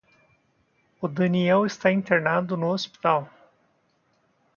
O Daniel está internado no Hospital